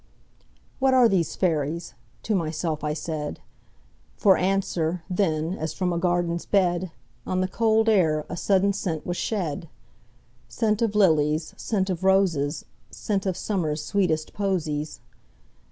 "What are these fairies?" to myself I said; For answer, then, as from a garden's bed, On the cold air a sudden scent was shed,—Scent of lilies, scent of roses, Scent of Summer's sweetest posies.